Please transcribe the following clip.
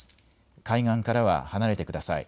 海岸からは離れてください。